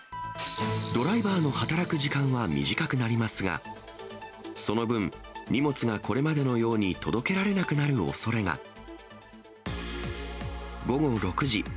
ドライバーの働く時間は短くなりますが、その分、荷物がこれまでのように届けられなくなるおそれが。午後６時。